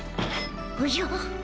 おじゃ。